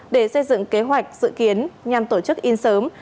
để xây dựng kế hoạch dự kiến nhằm tổ chức in sớm